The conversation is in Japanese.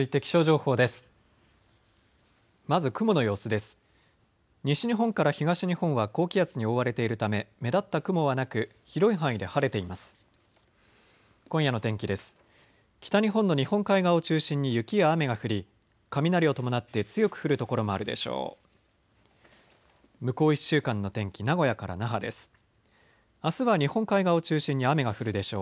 北日本の日本海側を中心に雪や雨が降り雷を伴って強く降る所もあるでしょう。